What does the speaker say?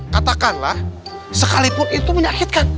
katakanlah sekalipun itu menyakitkan